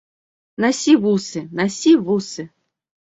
Насі вусы, насі вусы!